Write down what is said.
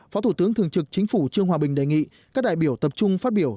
phó thủ tướng thường trực chính phủ trương hòa bình đề nghị các đại biểu tập trung phát biểu